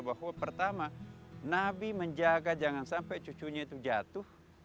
bahwa pertama nabi menjaga jangan sampai cucunya itu jatuh